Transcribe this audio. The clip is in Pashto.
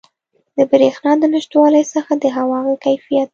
د بریښنا د نشتوالي څخه د هوا د کیفیت